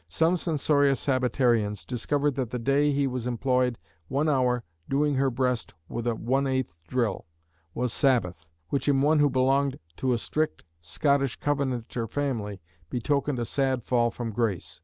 Some censorious Sabbatarians discovered that the day he was employed one hour "doing her breast with 1/8th drill" was Sabbath, which in one who belonged to a strict Scottish Covenanter family, betokened a sad fall from grace.